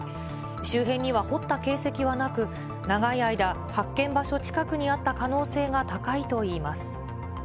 周辺には掘った形跡はなく、長い間、発見場所近くにあった可能性が高いといいます。